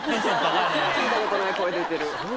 聞いたことない声出てる。